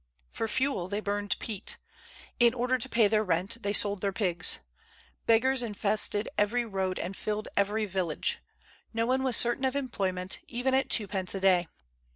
For fuel they burned peat. In order to pay their rent, they sold their pigs. Beggars infested every road and filled every village. No one was certain of employment, even at twopence a day.